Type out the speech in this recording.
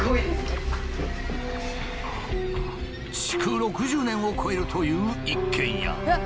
築６０年を超えるという一軒家。